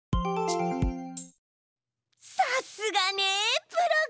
さすがねプログ！